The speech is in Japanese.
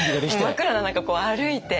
真っ暗な中こう歩いて。